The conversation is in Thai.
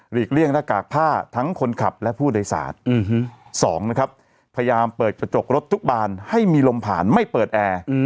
เลี่ยงหน้ากากผ้าทั้งคนขับและผู้โดยสาร๒นะครับพยายามเปิดกระจกรถทุกบานให้มีลมผ่านไม่เปิดแอร์